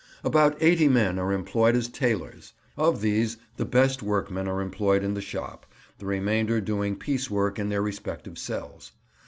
About eighty men are employed as tailors; of these the best workmen are employed in the shop, the remainder doing piecework in their respective cells.